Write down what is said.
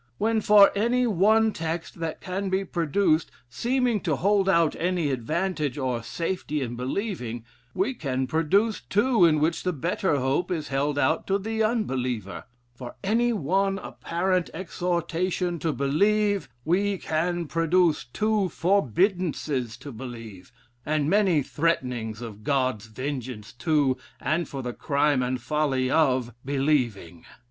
When for any one text that can be produced, seeming to hold out any advantage or safety in believing, we can produce two in which the better hope is held out to the unbeliever? For any one apparent exhortation to believe, we can produce two forbiddances to believe, and many threaten ings of God's vengeance to, and for the crime and folly of, believing.